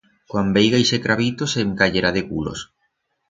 Cuan veiga ixe crabito se'n cayerá de culos.